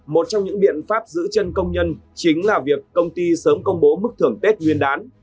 một trong những biện pháp giữ chân công nhân chính là việc công ty sớm công bố mức thưởng tết nguyên đán